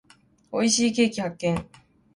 美味しいケーキ発見。